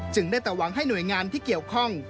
ได้แต่หวังให้หน่วยงานที่เกี่ยวข้อง